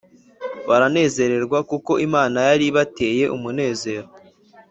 baranezerwa kuko Imana yari ibateye umunezero